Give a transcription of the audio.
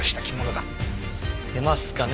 出ますかね？